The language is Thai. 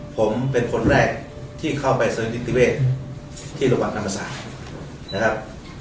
ผมเป็นคนแรกที่เข้าไปเสริมนิติเวศที่ระหว่างธรรมศาสตร์นะครับ